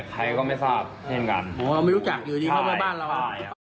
คุณแขวนผู้มีรู้จักจริงเข้าไปบ้านเรา